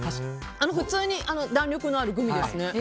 普通に弾力のあるグミですね。